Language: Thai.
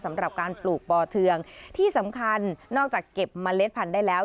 สำหรับการปลูกปอเทืองที่สำคัญนอกจากเก็บเมล็ดพันธุ์ได้แล้ว